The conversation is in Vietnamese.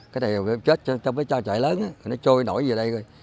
cái sông đó cái này chết trong cái trại lớn nó trôi nổi về đây rồi